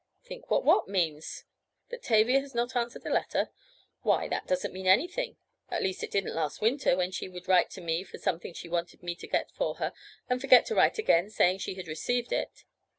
"Think what what means? That Tavia has not answered a letter? Why that doesn't mean anything—at least it didn't last winter, when she would write me for something she wanted me to get for her, and forget to write again saying she had received it.